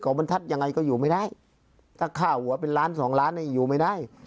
บรรทัศน์ยังไงก็อยู่ไม่ได้ถ้าค่าหัวเป็นล้านสองล้านนี่อยู่ไม่ได้